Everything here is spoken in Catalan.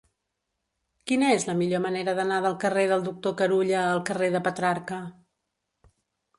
Quina és la millor manera d'anar del carrer del Doctor Carulla al carrer de Petrarca?